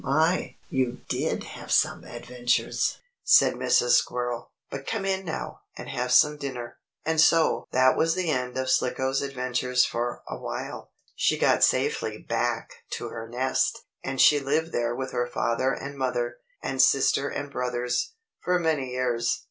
"My, you did have some adventures," said Mrs. Squirrel. "But come in now, and have some dinner." And so that was the end of Slicko's adventures for a while. She got safely back to her nest, and she lived there with her father and mother, and sister and brothers, for many years.